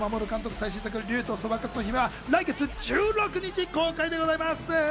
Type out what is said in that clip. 最新作『竜とそばかすの姫』は来月１６日、公開でございます。